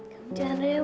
kamu jangan rewet